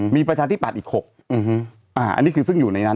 มีประชาธิปัตย์อีก๖อันนี้คือซึ่งอยู่ในนั้น